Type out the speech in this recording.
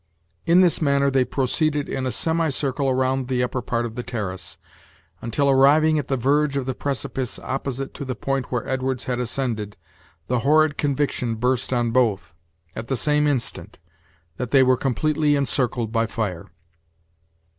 In this manner they proceeded in a semicircle around the upper part of the terrace, until arriving at the verge of the precipice opposite to the point where Edwards had ascended, the horrid conviction burst on both, at the same instant, that they were completely encircled by fire.